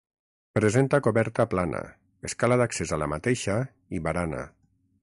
Presenta coberta plana, escala d'accés a la mateixa i barana.